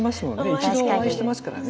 一度お会いしてますからね。